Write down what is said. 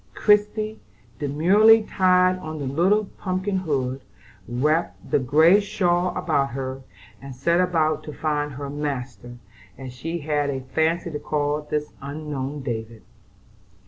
Christie demurely tied on the little pumpkin hood, wrapped the gray shawl about her, and set out to find her "master," as she had a fancy to call this unknown David.